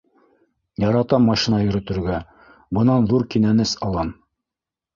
Яратам машина йөрөтөргә, бынан ҙур кинәнес алам.